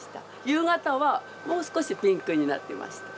夕方はもう少しピンクになってました。